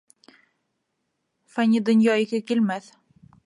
Фани донъя ике килмәҫ.